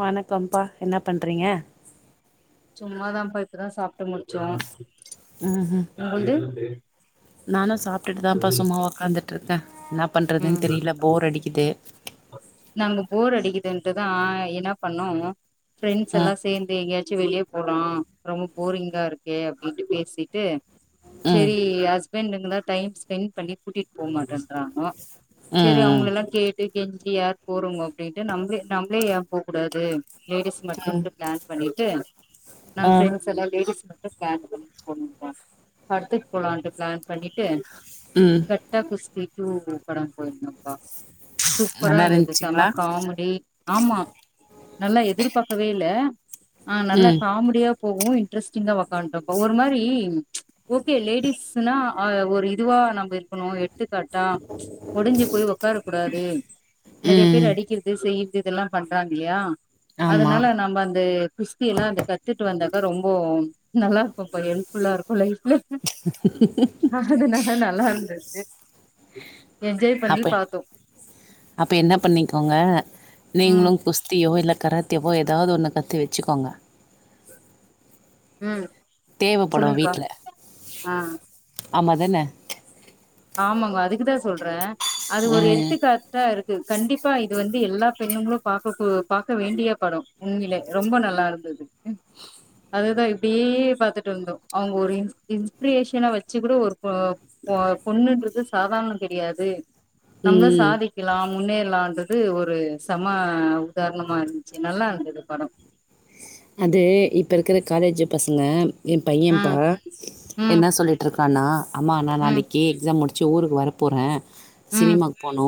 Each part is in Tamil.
வணக்கம்ப்பா என்ன பண்றீங்க சும்மாதாப்பா இப்பதா சாப்ட்டு முடிச்சோ ம் [inaudible] நானு சாப்ட்டுட்டு தாப்பா சும்மா உக்காந்துட்டு இருக்கே என்ன பண்றதுன்னு ம் தெரியில போர் அடிக்குது நாங்க போர் அடிக்குதுன்ட்டுதா என்ன பண்ணோ ஃபிரண்ட்ஸ் ம் எல்லாச் சேர்ந்து எங்கேயாச்சு வெளியே போலா ரொம்ப போரிங்கா இருக்கே அப்டின்ட்டு பேசிட்டு ம் செரி ஹஸ்பண்டுங்க தா டைம் ஸ்பெண்ட் பண்ணி கூட்டிட்டு போ மாட்டேன்றாங்கோ சேரி ம் அவுங்கள ம் எல்லா கேட்டு கெஞ்சி யார் போறோங்க அப்டின்ட்டு நம்புளுக் நம்ப்ளே ஏ போக்கூடாது லேடிஸ் மட்டு ம் இப்டி பிளான் பண்ணிட்டு ஆ நாங்க பிரெண்ட்ஸ் எல்லா லேடிஸ் மட்டு பிளான் பண்ணிட்டு போனோ பா படத்துக்கு போலான்ட்டு பிளான் பண்ணிட்டு ம் கட்டா குஸ்தி டூ பட போயிருந்தோப்பா சூப்பரா நல்லா இருந்தது செம்ம இருந்ச்சுங்ளா காமெடி ஆமா நா எல்லா எதிர்பாக்கவே இல்ல ஆ நல்லா ம் காமெடியா போகவு இன்ட்ரெஸ்டிங்கா ஒக்கான்டோப்பா ஒரு மாரி ஓகே லேடிஸ்னா ஆ ஒரு இதுவா நம்ம இருக்கணு எடுத்துக்காட்டா ஒடிஞ்சிப் போய் ஒக்கார கூடாது நெறைய பேர் ம் அடிக்கிறது செய்றது இதெல்லா பண்றாங்க இல்லையா ஆமா அதனால நம்ம அந்த குஸ்தி எல்லா அந்த கத்துட்டு வந்தாக்க ரொம்போ நல்லா இருக்கு இப்ப ஹெல்ப்ஃபுல்லா இருக்கு லைஃப்ல அதனால நல்லா இருந்தது என்ஜாய் பண்ணி அப்ப பாத்தோ அப்ப என்ன பண்ணிக்கோங்க ம் நீங்களு குஸ்தியோ இல்ல கராத்திவோ ஏதாவது ஒன்ன கத்து வச்சுக்கோங்க ம் தேவப்படு சொல்லுங்கப்பா வீட்ல ஆ ஆமாதன ஆமாங்கோ அதுக்குதா சொல்றே அது ஒரு ம் எடுத்துக்காட் டா இருக்குது கண்டிப்பா இது வந்து எல்லா பெண்ணுங்களு பாக்க கூ பாக்க வேண்டிய படோ உண்மலே ரொம்ப நல்லா இருந்தது அதுதா இப்டியே பாத்துட்டு வந்தோ அவுங்க ஒரு இன் இன்ஸ்பிரேஷனா வச்சி கூட ஒரு ப ப்போ பொண்ணுன்றது சாதாரண கெடையாது நம்மள ம் சாதிக் கிலா முன்னேறலான்றது ஒரு செம உதார்ணமா இருந்துச்சு நல்லா இருந்துது படோ அது இப்ப இருக்குற காலேஜ்ஜூ பசங்க என் பையேப்பா ம் ம் என்ன சொல்லிட்டுருக் கானா அம்மா நா ம் நாளைக்கி எக்ஸாம் முடிச்சு ஊருக்கு வர போறே ம் சினிமாக்கு போனு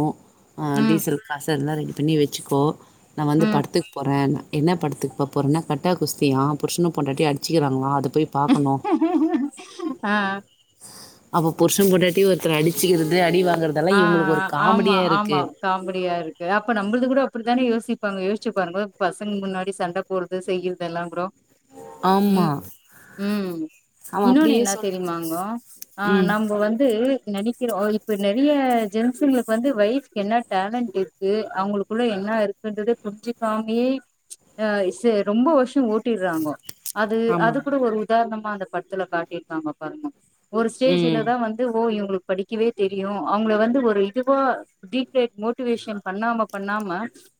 ஆஹ் ம் டீசல் காசு எல்லா ரெடி பண்ணி வெச்சுக்கோ நா வந்து ம் படத்துக் போறேனா என்ன படத்துக்கு பா போரென்ன கட்டா குஸ்தியா புருஷனு பொண்டாட்டியு அடிச்சிக்கிறாங்களா அத போய் பாக்கணு ஆ அப்ப புருஷன் பொண்டாட்டி ஒருத்தர அடிச்சிக்கிறது அடி வாங்கறதெல்லா ஆ இவுங்களுக்கு ஒரு ஆமா, காமெடியா ஆமா. இருக்கு காமெடியா இருக்கு அப்ப நம்மெல்து கூட அப்டிதான யோசிப்பாங்க யோஸ்சுபாருங்க பசங்க முன்னாடி சண்ட போறது செய்றது எல்லா கூடோ ஆம்மா ம் இன்னொனு என்ன சொல்றான். தெரியுமாங்கோ ஆ ம். நம்ப வந்து நெனை க்கிறோ இப்டி நெறைய ஜென்சுங்களுக்கு வந்து வைஃப்கு என்ன டேலண்ட் இருக்கு அவுங்களுக்குள்ள என்ன இருக்குன்றதே புரிஞ்சு காமயே அஹ் ஸ்செ ரொம்ப வருஷோ ஓட்டிர்றாங்கோ அது அது ஆமாங்க. கூட ஒரு உதாரணமா அந்த படத்துல காட்டிருக்காங்க பாருங்க ஒரு ம். ஸ்டேஜ்லதா வந் து ஓ இவுங்களுக்படிக்கவே தெரியு அவுங்கள வந்து ஒரு இதுவா பீக்ரேட் மோட்டிவேஷன் பண்ணாம பண்ணாம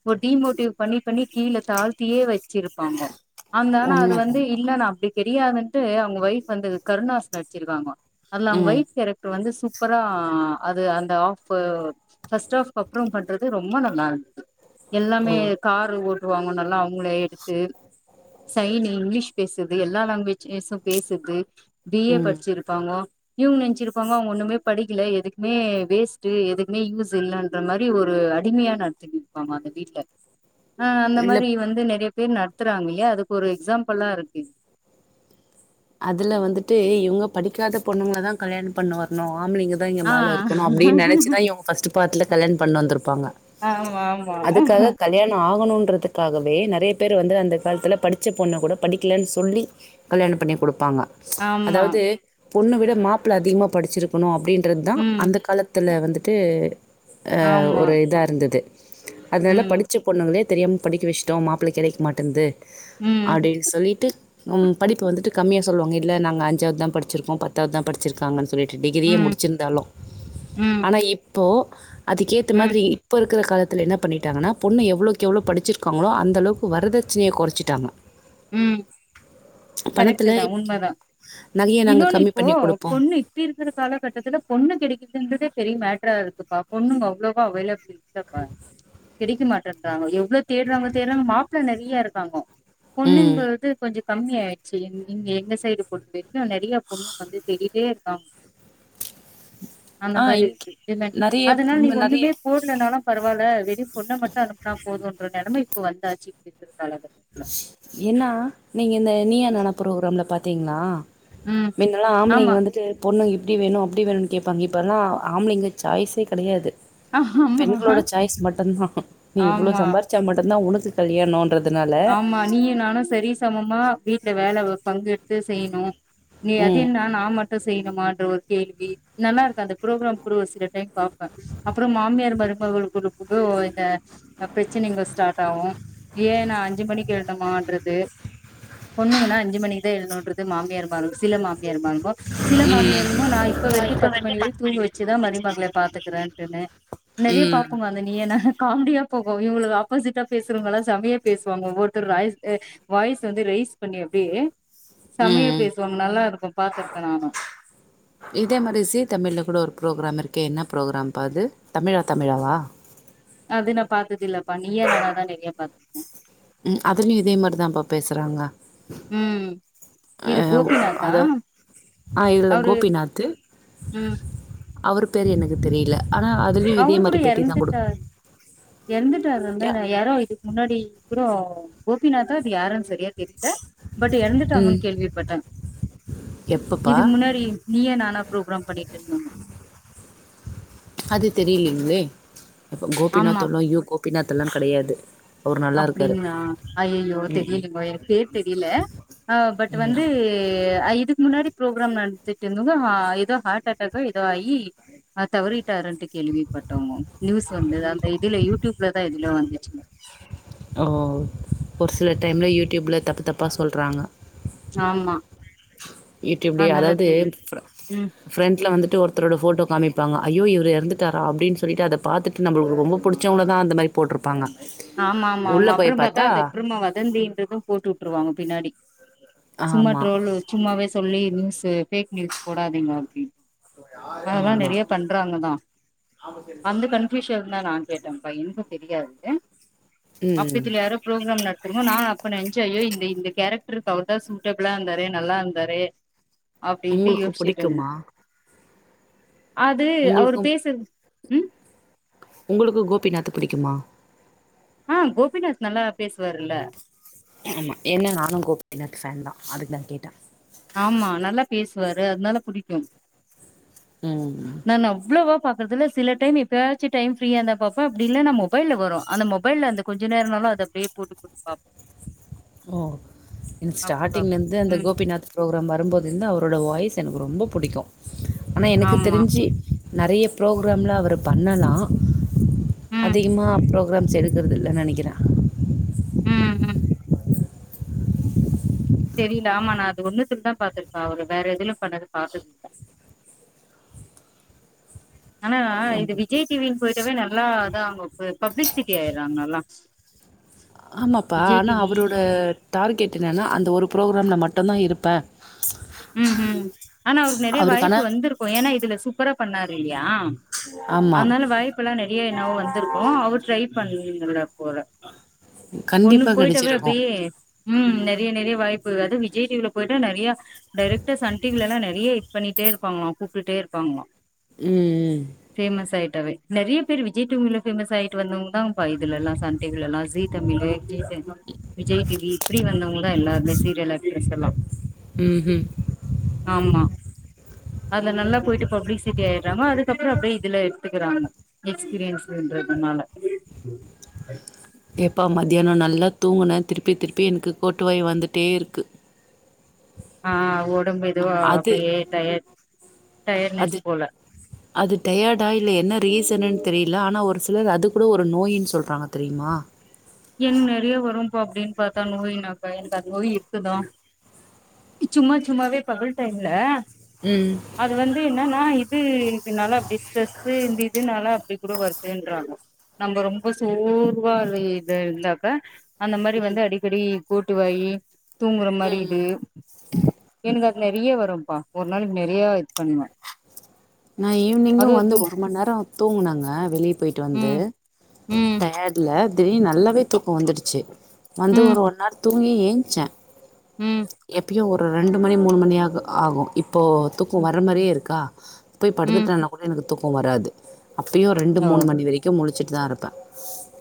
ஒரு டிமோட்டிவ் பண்ணி பண்ணி கீழ தாழ்த்தியே வச்சிருப்பாங்கோ அந்த ஆனா அது வந்து உண்மதான்ப்பா. இல்ல நா அப்டி கெடையாதுன்ட்டு அவுங்க ஒய்ஃப் வந்து கருணாஸ் நடிச்சிருக்காங்கோ அதுல அவுங்க ம். ஒய்ஃப் கேரக்டர் வந்து சூப்பரா ஆ அது அந்த ஆஃப்பு பாஸ்ட் ஆஃப் பப்ரோ பண்றது ரொம்ப நல்லாரு எல்லாமே ஓ! காரு ஓட்டுவாங்க நல்லா அவுங்களே எடுத்து சைனி இங்கிலீஷ் பேசுது எல்லா லாங்குவேஜ்ஸ்சு பேசுது பி ஏ ம் படிச்சிருப்பாங்கோ இவுங்க நெனிச்சிருப்பாங்கோ அவுங்க ஒண்ணுமே படிக்கிலே எதுக்குமே வேஸ்ட்டு எதுக்குமே யூஸ் இல்லன்ற மாரி ஒரு அடிமியா நடத்தினு இருப்பாங்க அந்த வீட்ல ஆஹ் அந்த இல்ல மாரி வந்து நெறைய பேர் நடத்துறாங்க இல்லையா அதுக்கொரு எக்ஸாம்பெளாருக்கு அதுல வந்துட்டு இவுங்க படிக்காத பொண்ணுங்கள தா கல்யாண பண்ணுவார்ணோ ஆம்ளைங்க ஆம்பளைங்க ஆ மேல இருக்கனு அப்டின் நெனச்சுதா இவுங்க ஃபஸ்ட்டு பார்ட்ல கல்யாண பண்ண வந்துர்ப்பாங்க ஆமா ஆமா அதுக்காக கல்யானோ ஆகணுன்றது க்காகவே நறைய பேர் வந்து அந்த கால்த்துல படுச்ச பொண்ணு கூட படிக்கலன் சொல்லி கல்யாணம் பண்ணிம் குடுப்பாங்க ஆமா அதாவ்தே பொண்ணு விட மாப்ள அதிக்மா படுச்சுரு பொணு அப்படின்றத்தா ம் அந்த காலத்துல வந்துட்டு அ ஆமா ஒரு இதா இருந்தது அத்னால ம் படிச்ச பொண்ணுங்களே தெரியாம் படிக்க வஷ்ட்டோ மாப்ள கெடைக் மாட்டந்து ம் அடின் சொல்லிட்டு உம் படிப்பு வந்துட்டு கம்மியா சொல்வாங்க இல்ல நாங்க அஞ்சாவ்தா படிச்சிருக்கோ பத்தாவ்தா படிச்சிர்க்காங்கன் சொல்லி டிட்டிகிரியே ம் முடுச்சிர்ந்தாலு ம் ஆனா இப்போ அதுக்கேத்த ம் மாதிரி இப்ப இருக்குற காலத்துல என்ன பண்ணிட்டாங்கன்னா பொண்ணு எவ்ளோக் எவ்ளோ படிச்சிருக்காங்களோ அந்தளவுக்கு வரதட்ச்ணே கொரசச்சிட்டாங்க உம் கரெக்டு பணத்துல தா உண்மதா நகைய நாங்க இன்னொன்னு கம்மி இப்போ பண்ணி குடுப்போம். பொண் இப்பி இருக்கற காலகட்டத்துல பொண்ணு கிடைக்கிற்துன்றதே பெரிய மேட்டரா இருக்குப்பா பொண்ணுங்க அவ்ளோவா அவைலபிள் டப்பா கெடிக்கு மாட்றன்தாங்கோ எவ்ளோ தேட்றாங்க தேட்றாங் மாப்ள நறியா இருக்காங்கோ ம். பொண்ணுங்கது கொஞ்சு கம்மி ஆய்ச்சு என் இங் எங்க சைடு பொற்த்திக்க நெறியா பொண்ணு வந்து தெடிட்டே இருக்காங் அந்த ஆ மாரி இங்க இருக்கு என்னக் நெறைய அதனால் நீ ம் நெறைய ஒண்ணுமே போட்னனாலா பரவால்ல வெளிய பொண்ண மட்ட அனுப்னா போதுன்ற நெலம இப்ப வந்தாச்சு திர்த்திரு காலாத என்னா நீங்க இந்த நீயா நானா ப்ரோக்ராம்ல பாத்தீங்ளா ம் மின்னலா ஆம்லைங்க ஆமா வந்துட்டு பொண்ணுங்க இப்டி வேணு அப்டி வேணுனு கேப்பாங்க இப்பல்லா ஆம்ளைங்க சாய்ஸே கடையாது ஆமா பெண்களோட சாய்ஸ் மட்டுன்ஹா நீ இவ்ளோ ஆமா சம்பார்ச்சா மட்டுன்தா உனக்கு கல்யாணோன்றது ஆமா நீயு நானு சரி சமமா வீட்ல வேலவு பங்கு எட்த்து செய்ணு நீ ம். அதின்னா நா மட் ட்டு செய்ணுமான்ற ஒர் கேள்வி நல்லாருக்கு அந்த ப்ரோக்ராம் குடு சில டைம் பாப்ப அப்பறோ மாமியார் மருமகளுக்குளுக்குளு ஓய் இந்த அ ப்ரச்சனைங்க ஸ்டாட் ஆகு ஏ நா அஞ்சி மணிக் எழ்ந்தமான்றது பொண்ணுங்கன்னா அஞ்சு மணிக் தா எழுந்தோன்றது மாமியா இரும்பாரு சில மாமியார்மாங்கோ சில மாமியாருங்கொ நா இப்ப வர்க்கி பத்து மணி வரைக்கும் பாஸ் வரைய் தூங்க வச்சுதா பண்ணிருக்கே மருமக்ள பாத்துக்குறேன்ட்டுன்னு நறிய ம் பாப்போங்க அந்த நீ நாஹ காம்டியா போகு இவ்ங்களு ஆப்போசிட்டா பேஸ்ருங்களா சமையா பேஸ் வாங்க ஒருவத்தர் ராய்ஜ் ஏ வாய்ஸ் வந்து ரேய்ஸ் பண்ணி அப்டியே சமையா ம் பேசுவாங்க நல்லா இருக்கு பாத்துர்க்கே ஆமா இதே மாரி சி தமிழ்ல கூட ஒரு ப்ரோக்ராம் இருக்கே என்ன ப்ரோக்ராம் பா அது தமிழா தமிழாவா அது நா பாத்ததில்லப்பா நீயா நானா தா நெற்யா பாத் உ ம் அதுலயு இதே மார் தாம்ப்பா பேசுறாங்க உம் அ இது கோபிநாத்தா அத ஆ இதுல அவரு கோபிநாத்து ம் அவரு பேரு எனக்கு தெரிய்ல ஆனா அதுல்யு இதே மாரி பேட்டி தா கொடுக் யற்ந்துட்டாரு இந்தா நா யாரோ இதுக் முன்னாடி குறோ கோபிநாத்தோ அது யாரன் சரியா திட்ட பட் ம் யறந்துட்டாங்கன் கேள்விப்பட்ட எப்பப்பா இதுக் முன்னாடி நீயா நானா ப்ரோகிராம் பண்ணிட்ருந்தோம் அது தெரிலிங்ளே இப்ப ஆமா கோபிநாத்தொல்லா ஐயோ கோபிநாத்தெல்லா கடையாது அப்டிங்லா ஐயையோ தெரிலிங்கோ எனக் பேர் தெரிலே ஆவ் பட் ம் வந்து அ இது முன்னாடி ப்ரோக்ராம் நன்த்துட்டு இந்தவங்க அ இதோ ஹாட் அட்டாக்கு இதோ ஆயி அ தவறிட்டாரென்ட்டு கெளிவிப்பட்டோமொ நூஸ் வந்துதாம் எ இதிலே யூடியூப்லதா எதுல்யோ வந்துச்சு ஓ ஒர் சில டைம்லே யூடியூப்ல தப்பு தப்பா சொல்றாங்க ஆமா யூடியூப்லே அதனால அதாவது தெரியு ம் ஃபிரெண்ட்ல வந்துட்டு ஒருத்தரோட போட்டோ காமிப்பாங்க ஐயோ இவுரு ம். எறந்துட்டாரா அப்டின்னு சொல்லிட்டு அத பாத்துட்டு நம்மளுக்கு ரொம்ப பிடிச்சவங்கள தா அந்த மாரி போட்டிருப்பாங்க ஆமா ஆமா ஆமா அப்புற பாத்தா அது அப்புறமா வதந்தின்றது போட்டு வுட்டுருவாங்க பின்னாடி சும்மா ஆமா ட்ரோல் சும்மாவே சொல்லி நியூஸு பேக் நியூஸ் போடாதீங்க அப்டின்னு அதெல்லா ஆமா நெறைய பண்றாங்கதா வந்து கன்ஃப்யூஸன் னா நா கேட்டன்ப்பா என்க்கு தெரியாது ம் அப்பத்துல யாரு ப்ரோக்ராம் நடத்துக்கோ நா அப்ப நெனைச்ச ஐயோ இந்த இந்த கேரக்டருக்கு அவருதா சூட்டபிளா இருந்தாரே நல்லா இருந்தாரே அப்டின்ட்டு உங்களுக்கு யோசிச்சுட்டு இருந்த புடிக்குமா அது அவரு உங்களுக்கு பேசுறது உ உங்களுக்கு கோபிநாத்த பிடிக்குமா ஆ கோபிநாத் நல்லா பேசுவாருல்ல ஆமா ஏன்னா நானு கோபிநாத் ஃபேன் தா அதுக்கு தா கேட்ட ஆமா நல்லா பேசுவாரு அதனால புடிக்கு ம் நானு அவ்வளவா பாக்கறதுல சில டைம் எப்பயாச்சு டைம் ஃப்ரீயா இருந்தா பாப்ப அப்டி இல்லன்னா மொபைல வரு அந்த மொபைல்ல அந்த கொஞ்ச நேரனாலு அத அப்டியே போட்டுப் போட்டு பாப்ப ஓ எனக்கு பாப்பே ஸ்டார்ட்டிங்லேருந்து அந்த ம் கோபிநாத் ப்ரோக்ராம் வரும்போதுருந்து அவரோடய வாய்ஸ் எனக்கு ரொம்ப பிடிக்கு ஆனா எனக்கு ஆமா தெரிஞ்சு நெறைய ப்ரோக்ராம்ல அவரு பண்ணலா ம் அதிகமா அப்ரோ கிராம்ஸ் எடுக்குறது இல்லன்னு நெனக்கிற ம் ம் தெரியல ஆமா நா அது ஒன்னுத்துல பாத்திருக்க அவரு வேற எதுலயு பண்ணது பாத்தது இல்ல ஆனா இது ஆமா விஜய் டிவின்னு போயிட்டாவே நல்லா அதா அவங்க பப்ளிக்சிட்டி ஆயறாங்கல்லா ஆமாப்பா ஆனா அவரோட டார்கெட் என்னன்னா அந்த ஒரு ப்ரோக்ராம்ல்ல மட்டுதா இருப்ப ம் ஹூம் ஆனா அவருக்கு நெறைய வாய்ப்பு வந்திருக்கு ஏன்னா இதுல சூப்பரா பண்ணாரு இல்லையா ஆமா அதனால வாய்ப்பு எல்லா நெறைய என்னாவோ வந்திருக்கு அவரு ட்ரை பண்ணல போல கண்டிப்பா ஒண்ணுக்கு போயிட்டாவே கெடச்சிருக்கு அப்டியே உம் நெறைய நெறைய வாய்ப்பு அதா விஜய் டிவில போயிட்டா நெறையா டைரக்டா சன் டிவி எல்லா நெறையா இது பண்ணிட்டே இருப்பாங்களா கூப்டுட்டே இருப்பாங்களா ம் ம் பேஃமஸ் ஆயிட்டாவே நெறைய பேரு விஜய் டீவில பேமஸ் ஆயிட்டு வந்தவங்க தான்ங்கப்பா இதுல எல்லா சன் டிவி எல்லா ஜி தமிழு ஜீ தமிழ் விஜய் டிவி இப்டி வந்தவங்க தா எல்லாருமே சீரியல் ஆக்ட்ரஸ் எல்லா ம்ஹும் ஆமா அதுல நல்லா போயிட்டு பப்ளிசிட்டி ஆயிறாங்க அதுக்கப்புறோ அப்டியே இதுல எடுத்துக்கிறாங்க எக்ஸ்பீரியன்ஸ்ன்றதுனால எப்பா மதியியானோ நல்லா தூங்குனேன் திருப்பி திருப்பி எனக்கு கோட்டுவாய் வந்துட்டே இருக்கு ஆ ஒடம்பு இதுவ அது அப்டியே டயடு டயர்னஸ் அது போல அது டயர்டா இல்ல என்ன ரீசனுன்னு தெரியல ஆனா ஒரு சிலர் அது கூட ஒரு நோயின்னு சொல்றாங்க தெரியுமா என் நெறையா வரும்ப்பா அப்டின்னு பாத்தா நோயினாக்கா எனக்கு அது நோய் இருக்குதா சும்மா சும்மாவே பகல் டைம்ல ம் அது வந்து என்னன்னா இது இருக்கனால அப்டி ஸ்ட்ரெஸ்ஸு இந்த இதுனால அப்டி கூட வருதுன்றாங்கோ நம்ப ரொம்ப சோர்வால இது இருந்தாக்க அந்த மாரி ம் வந்து அடிக்கடி போட்டுவாயி தூங்குற மாரி ம் இது எனக்கு அது நெறையா வரும்ப்பா ஒரு நாளைக்கு நெறையா இது பண்ணுவ நா ஈவினிங்கும் வந்து ஒரு மண்நேர தூங்குனங்க வெளியே போயிட்டு வந்து ம் ம் டயட் ல திடீர்னு நல்லாவே தூக்கம் வந்துடுச்சு வந்து ம் ஒரு ஒன்னார் தூங்கி ஏந்ச்ச ம் எப்பயும் ஒரு ரெண்டு மணி மூணு மணியாது ஆகு இப் போ தூக்கம் ம் வர்ற மாரியே இருக்கா போய் ம் படுத்துட்டேனா கூட எனக்கு தூக்கம் வராது அப்பயு ரெண்டு ஓ மூணு மணி வரைக்கும் முழுச்சிட்டு தா இருப்ப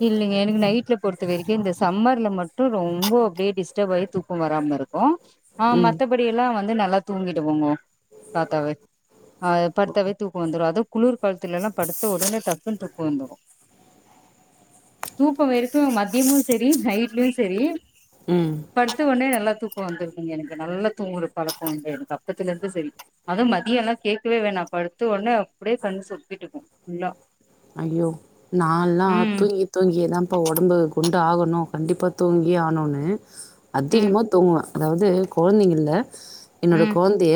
இல்லீங்க எனக்கு நைட்ல பொறுத்த வரைக்கு இந்த சம்மர்ல மட்டு ரொம்ப அப்டியே டிஸ்டர்ப் ஆயி தூக்கம் வராம இருக் கு ஆ ம் மத்தபடி எல்லா வந்து நல்லா தூங்கிடுவோங்க பாத்தாவே அது படுத்தாவே தூக்க வந்துரு அதுவு குளிர் காலத்துல எல்லா படுத்த ஒடனே டக்குன்னு தூக்க வந்துரு தூக்க வெரைக்கும் மத்தியமு செரி நைட்லயு செரி ம் படுத்தவொன்னே நல்லா தூக்க வந்துருதுங்க எனக்கு நல்லா தூங்குற பழக்கோ உண்டு எனக்கு அப்பத்துல இருந்து செரி அதுவு மதியல்லா கேக்கவே வேணா படுத்துவொன்னே அப்டியே கண் சொக்கிட்டு இருக்கு ஃபுல்லா ஐயோ நா எல்லா ம் தூங்கி தூங்கியே தா இப்போ ஒடம்பு குண்டு ஆகணு கண்டிப்பா தூங்கியாணுன்னு ம் அதிகமா தூங்குவ அதாவது கொழந்தைங்க இல்ல என்னோட ம் கொழந்தைய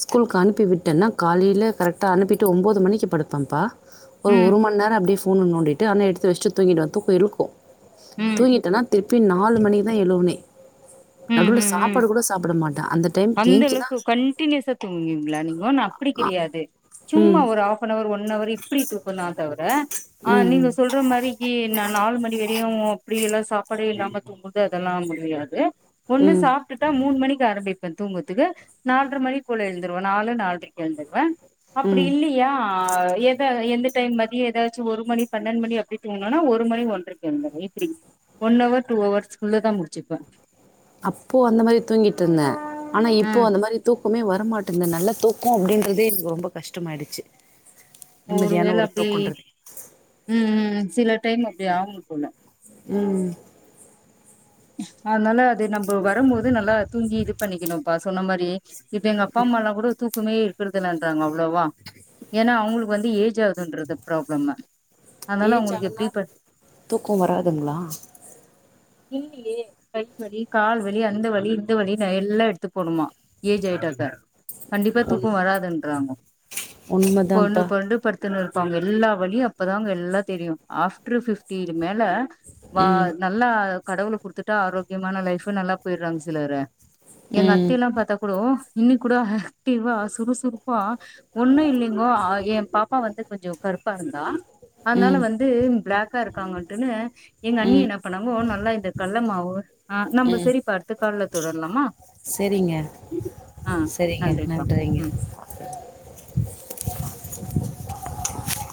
ஸ்கூலுக்கு அனுப்பி விட்டேன்னா காலையில கரெக்டாக அனுப்பிட்டு ஒம்போது மணிக்கு படுப்பேப்பா ஒரு ம் ஒரு ம் மண் நேரோ அப்டியே ஃபோன நோண்டிட்டு அத நா எடுத்து வெச்சுட்டு தூங்கிடுவ தூக்கோ இருக்கு ம் தூங்கிட்டேன்னா திருப்பி நாலு மணிக்கு தா எழுவனே நடுவுல சாப்பாடு கூட சாப்புட மாட்ட அந்த டைம்க்கு ஏஞ்ச்சு தான் அந்தளவுக்கு கண்டினியூஸா தூங்குவீங்களா நீங்கோ நா அப்டி கெடையாது சும்மா ம். ஒரு ஆஃப் ஃபனவர் ஒன்னவர் இப்டி தூக்கோ தா தவர ஆ நீங்க ம். ம். சொல் ற மாரிக்கு நா நாலு மணி வரையு அப்டி எல்லா சாப்பாடு இல்லாம தூக் நம்புள்ட்ட அதெல்லா முடியாது ஒன்னு ம். சாப்ட்டுட்டா மூணு மணிக்கு ஆரம்பிப் ப தூங்கத்துக்கு நால்ர மணி போல எழுந்துருவ நாலு நால்ரைக்கு எழுந்துருவ அப்டி ம். இல்லியா ஆ எத எந்த டைம் மதிய ஏதாச்சு ஒரு மணி பன்னெண்டு மணி அப்டி தூங்கணேன்னா ஒரு மணி ஒன்றைக் எந்துருவ இப்படி ஒன்னவர் டூ ஹவர்ஸ்குள்ளதா முடிச்சுப்ப அப்போ அந்த மாரி தூங்கிட்டு இருந்த ஆனா ஆ இப்போ அந்த மாரி தூக்கமே வரமாட்டேன்து நல்ல தூக்கோ அப்டின்றதே எனக்கு ரொம்ப கஷ்டமாயிடுச்சு நிம்மதியான வேள ஒரு அப்டி தூக்கன்றது ம் ம் சில டைம் அப்டி ஆவும் போல ம் அதனால அது நம்ப வரம்போது நல்லா தூங்கி இது பண்ணிக்கணும்ப்பா சொன்ன மாரி இப்ப எங்க அப்பா அம்மால்லா கூட தூக்கமே ங்கிறதுலன்றாங்க அவ்ளவா ஏன்னா அவுங்களுக்கு வந்து ஏஜ் ஆகுதுன்றது ப்ராப்ளம்தா ஏஜ் ஆனா தூக்க வராதுங்களா இல்லியே கை வலி கால் வலி அந்த வலி இந்த வலி நா எல்லா எடுத்து போணுமா ஏஜ் ஆயிட்டாதா கண்டிப்பா உண் தூக்க வராதுன்றாங்கோ பொரண்டு உண்மைதான்ப்பா பொரண்டு படுத்துன்னு ப்பாங்க எல்லா வலியு அப்பதாங்க எல்லா தெரியு ஆஃப்டர் ஃபிஃப்டிக்கு மேல வ ம் நல்லா கடவுள குடுத்துட்டா ஆரோக்கியமான லைஃபு நல்லா போயிர்றாங்க சிலரு எங்க ம் அத்தைையெல்லா பாத்தா கூடோ இன்னிக் கூட ஆக்டிவா சுறுசுறுப்பா ஒன்னு இல்லிங்கோ ஏ பாப்பா வந்து கொஞ்ச கருப்பா இருந்தா அதனால ம் வந்து பிளாக்கா இருக்காங்கட்டுன்னு எங்க அண்ணி ம் என்ன பண்ணாங்கோ நல்லா இந்த கல்ல மாவு ஆ நம்ப ம் செரி பார்த்து கல்ல தொடர்லாமா சரிங்க சரிங்க நன்றிப்பா நன்றிங்க ம்